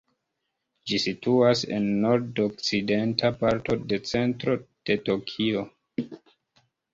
Ĝi situas en nord-okcidenta parto de centro de Tokio.